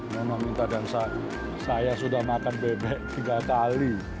meminta dan saya sudah makan bebek tiga kali